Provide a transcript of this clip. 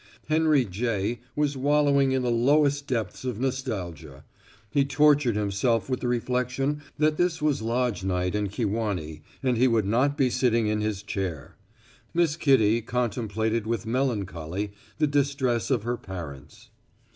Henry J. was wallowing in the lowest depths of nostalgia; he tortured himself with the reflection that this was lodge night in Kewanee and he would not be sitting in his chair. Miss Kitty contemplated with melancholy the distress of her parents.